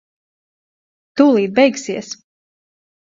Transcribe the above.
Tūlīt beigsies.